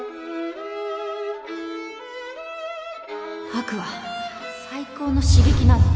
悪は最高の刺激なの